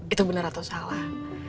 itu benar atau salah